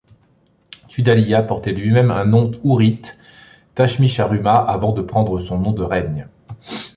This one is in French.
Tudhaliya portait lui-même un nom hourrite, Tashmi-Sharruma, avant de prendre son nom de règne.